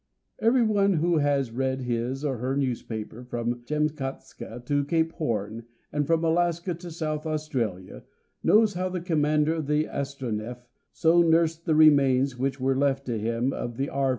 Every one who has read his or her newspaper from Chamskatska to Cape Horn, and from Alaska to South Australia, knows how the Commander of the Astronef so nursed the remains which were left to him of the R.